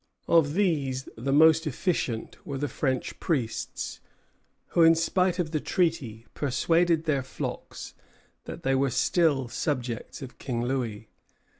Of these the most efficient were the French priests, who, in spite of the treaty, persuaded their flocks that they were still subjects of King Louis.